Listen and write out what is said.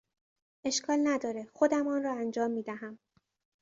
اشکال نداره، خودم آنرا انجام میدهم!